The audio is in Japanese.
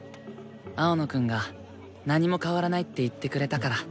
青野くんが「何も変わらない」って言ってくれたから。